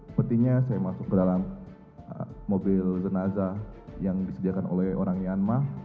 sepertinya saya masuk ke dalam mobil jenazah yang disediakan oleh orang myanmar